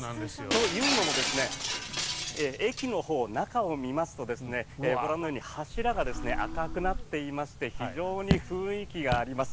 というのも、駅のほう中を見ますとご覧のように柱が赤くなっておりまして非常に雰囲気があります。